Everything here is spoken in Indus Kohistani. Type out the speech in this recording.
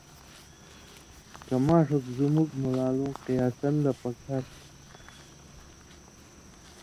کہ ماݜ اوک زُمُک مُولا لُوں قیاساً لہ پکار تھی